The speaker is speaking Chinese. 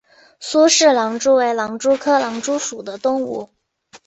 苏氏狼蛛为狼蛛科狼蛛属的动物。